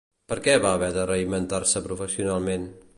Per què va haver de reinventar-se professionalment?